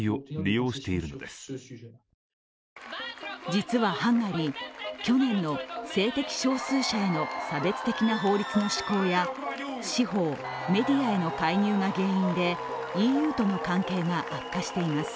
実はハンガリー、去年の性的少数者への差別的な法律の施行や司法、メディアへの介入が原因で、ＥＵとの関係が悪化しています。